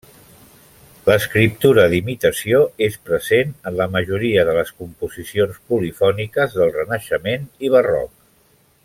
L'escriptura d'imitació és present en la majoria de les composicions polifòniques del Renaixement i Barroc.